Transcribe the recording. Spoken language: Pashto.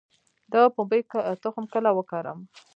د پنبې تخم کله وکرم؟